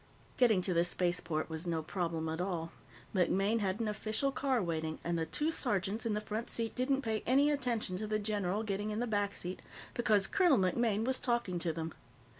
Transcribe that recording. _" Getting to the spaceport was no problem at all. MacMaine had an official car waiting, and the two sergeants in the front seat didn't pay any attention to the general getting in the back seat because Colonel MacMaine was talking to them.